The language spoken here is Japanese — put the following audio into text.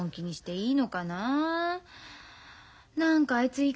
いい？